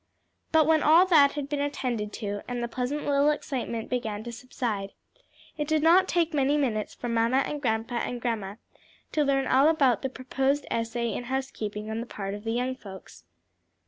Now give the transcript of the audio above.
But when all that had been attended to, and the pleasant little excitement began to subside, it did not take many minutes for mamma and grandpa and grandma to learn all about the proposed essay in housekeeping on the part of the young folks.